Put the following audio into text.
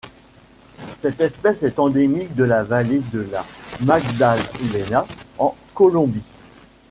Cette espèce est endémique de la vallée de la Magdalena en Colombie.